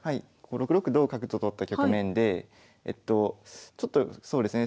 ６六同角と取った局面でちょっとそうですね